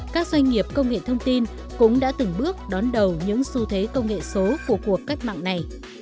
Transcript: các doanh nghiệp công nghệ thông tin cũng đã từng bước đón đầu những xu thế công nghệ số của cuộc cách mạng này